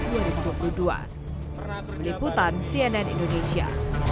meliputan cnn indonesia